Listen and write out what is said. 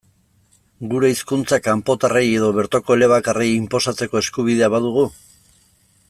Gure hizkuntza, kanpotarrei edo bertoko elebakarrei, inposatzeko eskubidea badugu?